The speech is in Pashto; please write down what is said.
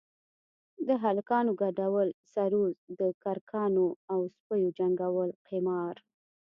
د هلکانو گډول سروذ د کرکانو او سپيو جنگول قمار.